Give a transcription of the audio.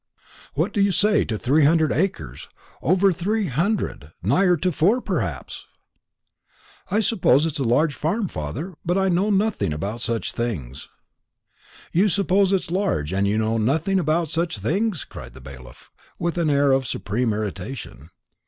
"What do you say to three hundred acres over three hundred, nigher to four perhaps?" "I suppose it's a large farm, father. But I know nothing about such things." "You suppose it's large, and you know nothing about such things!" cried the bailiff, with an air of supreme irritation.